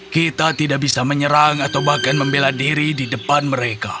kita tidak bisa menyerang atau bahkan membela diri di depan mereka